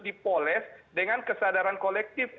dipoles dengan kesadaran kolektif